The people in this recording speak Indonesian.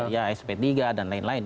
ya sp tiga dan lain lain